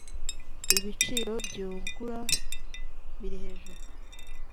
ibiciro by ugura birihejuru